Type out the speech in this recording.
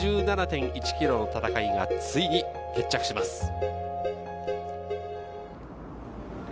２１７．１ｋｍの戦いがついに決着します。